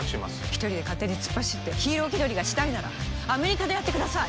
一人で勝手に突っ走ってヒーロー気取りがしたいならアメリカでやってください